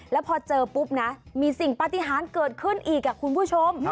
แล้วพอเจอปุ๊บนะมีสิ่งปฏิหารเกิดขึ้นอีกคุณผู้ชม